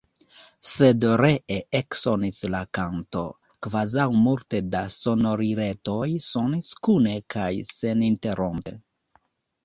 Sed ree eksonis la kanto, kvazaŭ multe da sonoriletoj sonis kune kaj seninterrompe.